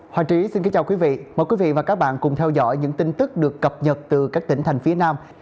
hoàng trí xin kính chào quý vị mời quý vị và các bạn cùng theo dõi những tin tức được cập nhật từ các tỉnh thành phía nam